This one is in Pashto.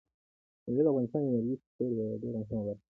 مېوې د افغانستان د انرژۍ سکتور یوه ډېره مهمه برخه ده.